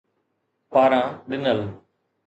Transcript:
پاران ڏنل